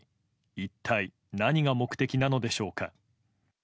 一体、何が目的なのでしょうか。